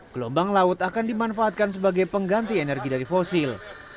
gelombang laut akan dimanfaatkan sebagai pengganti energi dari fosil